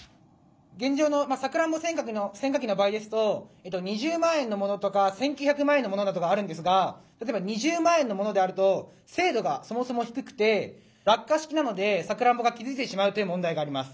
現状のさくらんぼ選果機の場合ですと２０万円のものとか１，９００万円のものなどがあるんですが例えば２０万円のものであると精度がそもそも低くて落下式なのでさくらんぼが傷ついてしまうという問題があります。